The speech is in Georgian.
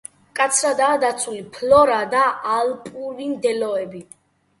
მკაცრადაა დაცული ფლორა და ალპური მდელოები.